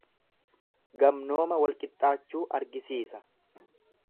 Gamnooma wal qixxaachuu argisiisa.